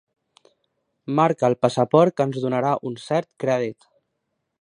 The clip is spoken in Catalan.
Marca al passaport que ens donarà un cert crèdit.